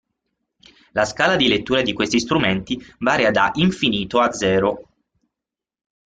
La scala di lettura di questi strumenti varia da infinito a zero.